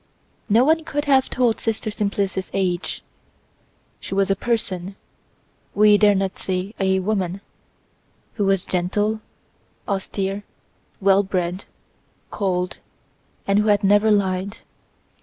No one could have told Sister Simplice's age. She was a person—we dare not say a woman—who was gentle, austere, well bred, cold, and who had never lied.